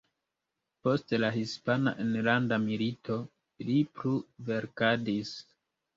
Post la Hispana Enlanda Milito li plu verkadis.